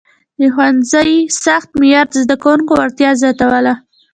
د ښوونکي سخت معیار د زده کوونکو وړتیا زیاتوله.